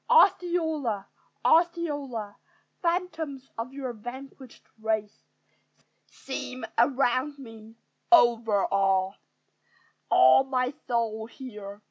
Osceola! Osceola! Phantoms of your vanquished race Seem around me: overawe All my soul here.